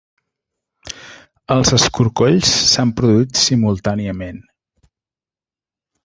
Els escorcolls s'han produït simultàniament